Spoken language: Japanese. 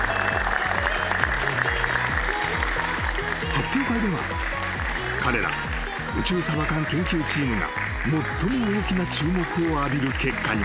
［発表会では彼ら宇宙サバ缶研究チームが最も大きな注目を浴びる結果に］